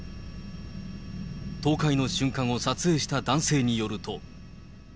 倒壊の瞬間を撮影した男性によると。